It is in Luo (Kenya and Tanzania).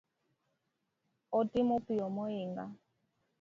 Otimo piyo moinga